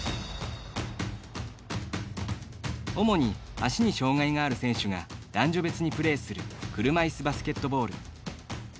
主に足に障がいがある選手が男女別にプレーする車いすバスケットボール。